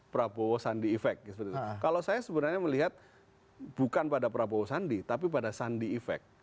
prabowo sandi efek kalau saya sebenarnya melihat bukan pada prabowo sandi tapi pada sandi efek